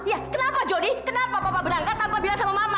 ya kenapa jody kenapa bapak berangkat tanpa bilang sama mama